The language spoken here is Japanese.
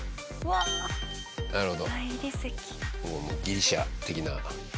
ギリシャ的な。